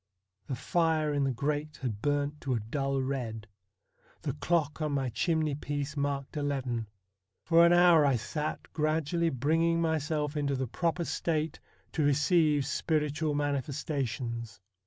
The fire in the grate had burnt to a dull red. The clock on my chimney piece marked eleven. For an hour I sat gradually bringing myself into the proper state to receive spiritual manifestations.